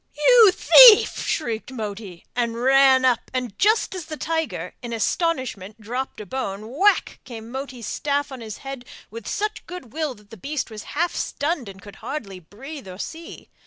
'You thief!' shrieked Moti, and ran up and, just as the tiger, in astonishment, dropped a bone whack! came Moti's staff on his head with such good will that the beast was half stunned and could hardly breathe or see.